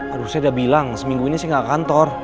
aduh saya udah bilang seminggu ini saya gak ke kantor